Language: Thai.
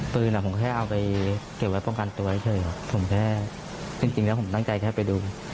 ผมแค่เอาไปเก็บไว้ป้องกันตัวเฉยผมแค่จริงแล้วผมตั้งใจแค่ไปดู